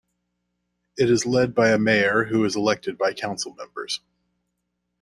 It is led by a mayor, who is elected by council members.